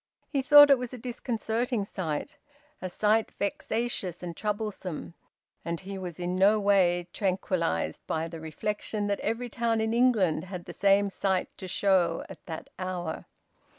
He thought it was a disconcerting sight, a sight vexatious and troublesome. And he was in no way tranquillised by the reflection that every town in England had the same sight to show at that hour.